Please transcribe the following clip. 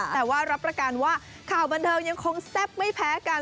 แต่ว่ารับประการว่าข่าวบันเทิงยังคงแซ่บไม่แพ้กัน